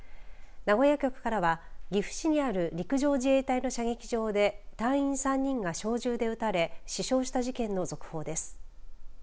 名古屋局からは岐阜市にある陸上自衛隊の射撃場で隊員３人が小銃で撃たれ死傷した事件の続報です。